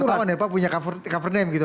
seperti wartawan ya pak punya cover name gitu